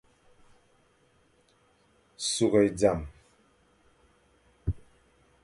Sughʼé zame,